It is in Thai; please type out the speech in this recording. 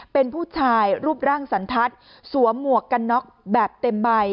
เป็นผู้ชายรูปร่างสันทัศน์สวมหมวกกันน็อกแบบเต็มใบ